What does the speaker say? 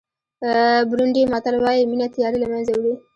بورونډي متل وایي مینه تیارې له منځه وړي.